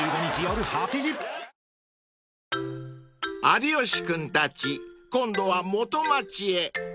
［有吉君たち今度は元町へ］